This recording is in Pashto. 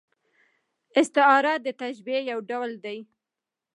استعاره د تشبیه یو ډول دئ.